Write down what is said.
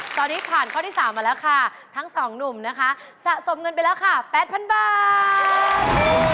ตอนนี้ผ่านข้อที่๓มาแล้วค่ะทั้งสองหนุ่มนะคะสะสมเงินไปแล้วค่ะ๘๐๐๐บาท